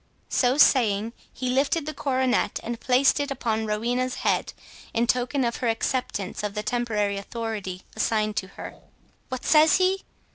So saying, he lifted the coronet, and placed it upon Rowena's head, in token of her acceptance of the temporary authority assigned to her. "What says he?"